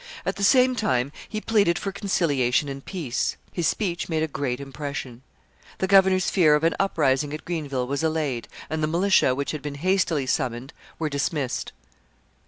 At the same time, he pleaded for conciliation and peace. His speech made a great impression. The governor's fear of an uprising at Greenville was allayed, and the militia, which had been hastily summoned, were dismissed.